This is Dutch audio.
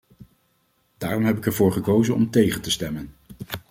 Daarom heb ik ervoor gekozen om tegen te stemmen.